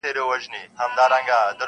• چي ژوندى يم همېشه به مي دا كار وي -